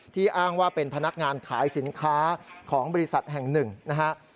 อ้างว่าเป็นพนักงานขายสินค้าของบริษัทแห่งหนึ่งนะฮะ